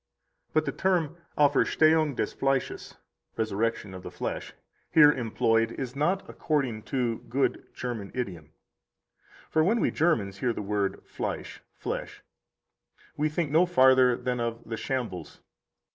60 But the term Auferstehung des Fleisches (resurrection of the flesh) here employed is not according to good German idiom. For when we Germans hear the word Fleisch (flesh), we think no farther than of the shambles.